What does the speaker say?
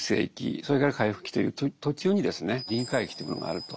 それから回復期という途中にですね臨界期というものがあると。